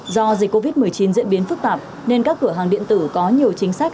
do dịch covid một mươi chín diễn biến phức tạp nên các cửa hàng điện tử có nhiều chính sách